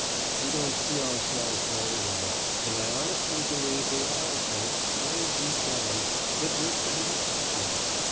We don't see ourselves very well, and I honestly believe we all think way deep down that we're pretty attractive.